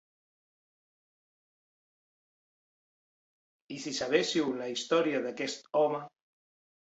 I si sabéssiu la història d'aquest home.